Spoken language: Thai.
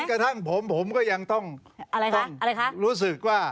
แม้กระทั่งผมผมก็ยังต้องรู้สึกว่า